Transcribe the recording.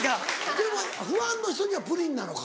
でもファンの人にはプリンなのか？